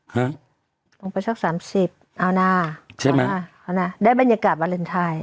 ลงไปสักสามสิบเอานะใช่ไหมเอานะได้บรรยากาศวาเลนไทย